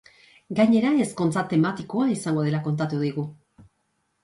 Gainera, ezkontza tematikoa izango dela kontatu digu.